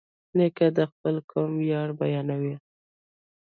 نیکه د خپل قوم ویاړ بیانوي.